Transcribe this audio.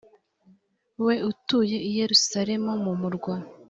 we utuye i yerusalemu mumurwa